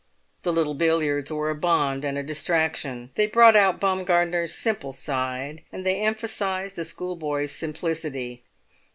The little billiards were a bond and a distraction. They brought out Baumgartner's simple side, and they emphasised the schoolboy's simplicity.